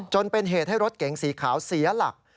จนเป็นเหตุให้รถเก๋งสีขาวเสียหลัก